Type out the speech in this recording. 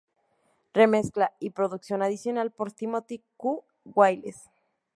Remezcla y producción adicional por Timothy 'Q' Wiles.